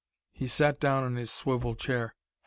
He sat down in his swivel chair.